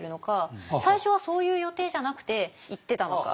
最初はそういう予定じゃなくて行ってたのか。